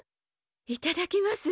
いただきます。